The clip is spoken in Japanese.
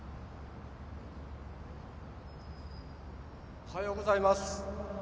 おはようございます。